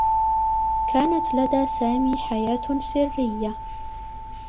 كانت لدى سامي حياة سرّيّة.